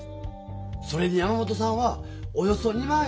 それに山本さんは「およそ２万円。